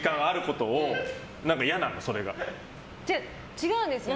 違うんですよ。